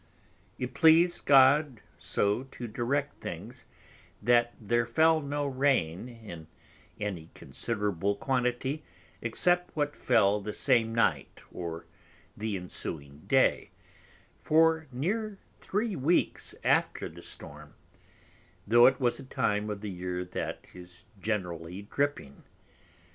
It pleased God so to direct things, that there fell no Rain in any considerable Quantity, except what fell the same Night or the ensuing Day, for near Three Weeks after the Storm, though it was a Time of the Year that is generally dripping.